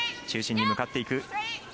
中心に向かっていく。